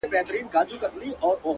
او راته وايي دغه!